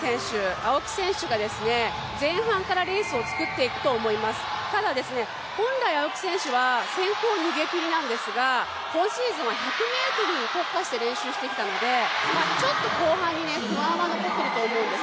青木選手が前半からレースを作っていくと思います、ただ、本来青木選手は先行逃げきりなんですが１００ｍに特化して練習してきたのでちょっと、後半に不安は残っていると思うんです。